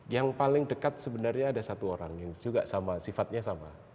yang paling dekat sebenarnya ada satu orang yang juga sama sifatnya sama